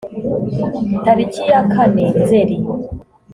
tariki ya kane nzeri